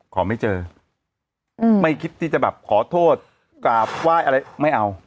ขอไม่เจอไม่คิดที่จะแบบขอโทษกราบไหว้อะไรไม่เอา